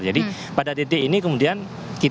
jadi pada titik ini kemudian kita akhirnya bisa mengadil ini